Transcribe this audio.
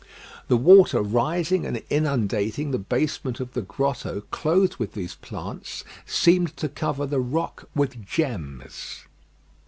The water rising and inundating the basement of the grotto clothed with these plants, seemed to cover the rock with gems.